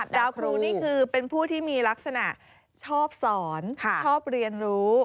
ดาวครูนี่คือเป็นผู้ที่มีลักษณะชอบสอนชอบเรียนรู้